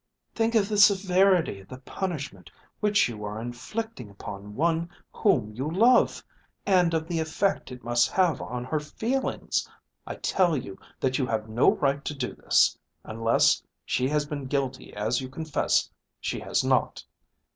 "Think of the severity of the punishment which you are inflicting upon one whom you love; and of the effect it must have on her feelings. I tell you that you have no right to do this, unless she has been guilty as you confess she has not."